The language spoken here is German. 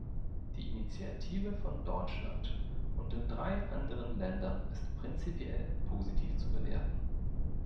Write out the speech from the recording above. Die Initiative von Deutschland und den drei anderen Ländern ist prinzipiell positiv zu bewerten.